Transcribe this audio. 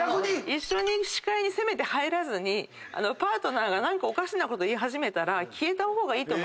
一緒に視界にせめて入らずにパートナーが何かおかしなこと言い始めたら消えた方がいい。